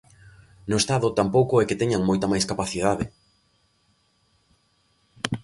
No Estado tampouco é que teñan moita máis capacidade.